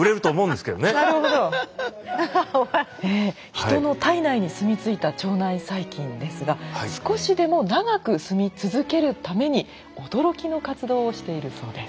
ヒトの体内にすみついた腸内細菌ですが少しでも長くすみ続けるために驚きの活動をしているそうです。